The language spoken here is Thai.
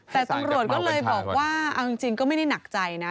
แต่ตำรวจก็เลยบอกว่าเอาจริงก็ไม่ได้หนักใจนะ